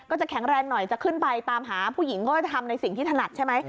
จะแข็งแรงหน่อยจะขึ้นไปตามหาผู้หญิงก็จะทำในสิ่งที่ถนัดใช่ไหม